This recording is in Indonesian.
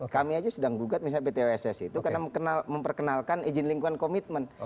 kami aja sedang gugat misalnya pt oss itu karena memperkenalkan izin lingkungan komitmen